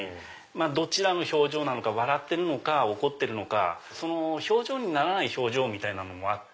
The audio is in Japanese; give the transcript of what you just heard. どちらの表情なのか笑ってるのか怒ってるのかその表情にならない表情みたいのもあって。